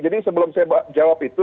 sebelum saya jawab itu